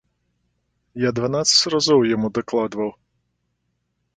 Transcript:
Я дванаццаць разоў яму дакладваў!